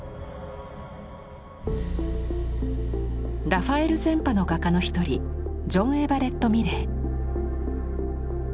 ラファエル前派の画家の一人ジョン・エヴァレット・ミレイ。